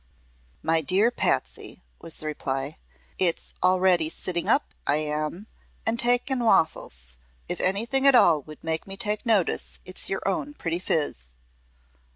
"My dear Patsy," was the reply, "it's already sitting up I am, an' taking waffles. If anything at all would make me take notice it's your own pretty phiz."